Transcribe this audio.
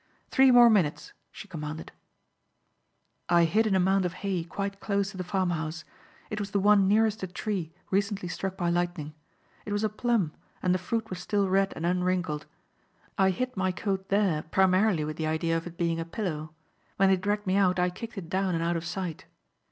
"Three more minutes," she commanded. "I hid in a mound of hay quite close to the farm house. It was the one nearest a tree recently struck by lightning. It was a plum and the fruit was still red and unwrinkled. I hid my coat there primarily with the idea of it being a pillow. When they dragged me out I kicked it down and out of sight.